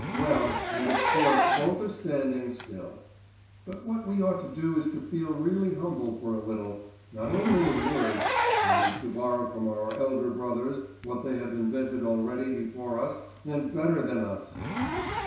Well, and of course, both are standing still. But what we ought to do is to feel really humble for a little not only in words and to borrow from our elder brothers what they have invented already before us and better than us!